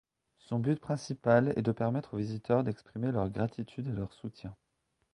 Son but principal est de permettre aux visiteurs d'exprimer leur gratitude et leur soutien.